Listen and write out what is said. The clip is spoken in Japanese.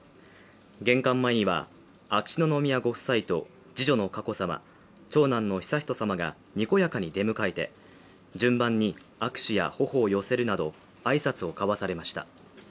玄関前には秋篠宮ご夫妻と次女の佳子さま長男の悠仁さまがにこやかに出迎えて順番に握手や頬を寄せるなど挨拶を交わされました。